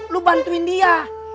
lo bantuin dia